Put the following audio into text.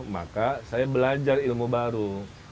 maka saya belajar ilmu baru